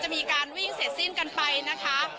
มีการวิ่งเสร็จสิ้นกันไปนะคะ